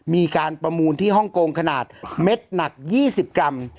มีการประมูลที่ฮ่องกงขนาดเม็ดหนัก๒๐กรัม